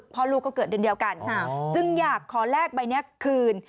พ่อลูกก็เกิดเดือนเดียวกันจึงอยากขอแลกใบนี้คืน